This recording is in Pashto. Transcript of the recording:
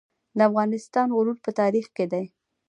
د افغانستان غرور په تاریخ کې دی